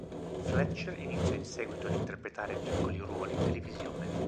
Fletcher iniziò in seguito ad interpretare piccoli ruoli in televisione.